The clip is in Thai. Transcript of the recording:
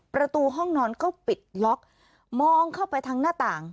ประตูห้องนอนก็ปิดล็อกมองเข้าไปทางหน้าต่าง